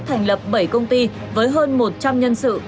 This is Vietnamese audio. thành lập bảy công ty với hơn một trăm linh nhân sự